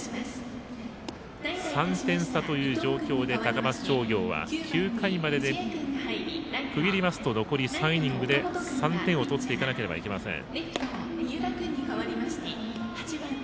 ３点差という状況で高松商業は９回までで区切りますと残り３イニングで３点を取っていかなければなりません。